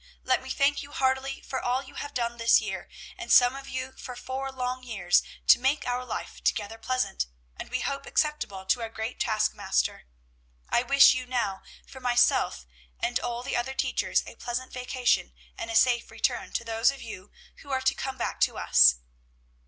Let me thank you heartily for all you have done this year, and some of you for four long years, to make our life together pleasant, and we hope acceptable to our great Taskmaster. I wish you now, for myself and all the other teachers, a pleasant vacation, and a safe return to those of you who are to come back to us."